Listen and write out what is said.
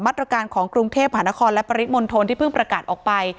ตรการของกรุงเทพหานครและปริมณฑลที่เพิ่งประกาศออกไป